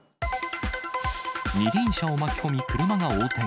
二輪車を巻き込み、車が横転。